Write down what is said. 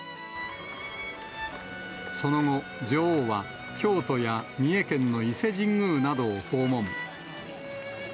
その後、女王は京都や三重県の伊勢神宮などを訪問。